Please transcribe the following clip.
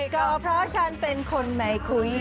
ก็เพราะฉันเป็นคนไม่คุย